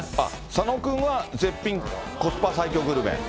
佐野君は絶品コスパ最強グルメ。